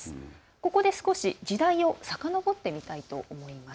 ここで少し時代をさかのぼってみたいと思います。